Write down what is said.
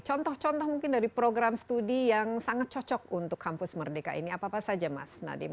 contoh contoh mungkin dari program studi yang sangat cocok untuk kampus merdeka ini apa apa saja mas nadiem